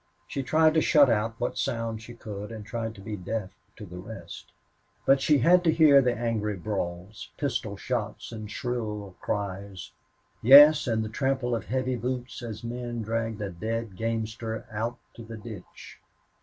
She tried to shut out what sound she could, and tried to be deaf to the rest. But she had to hear the angry brawls, pistol shots, and shrill cries; yes, and the trample of heavy boots as men dragged a dead gamester out to the ditch.